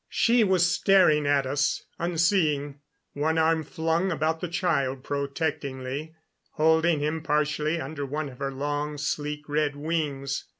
She was staring at us, unseeing, one arm flung about the child protectingly, holding him partially under one of her long, sleek red wings.